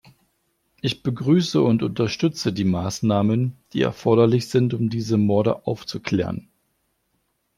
Ich begrüße und unterstütze die Maßnahmen, die erforderlich sind, um diese Morde aufzuklären.